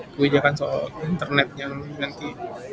kebijakan soal internet yang nanti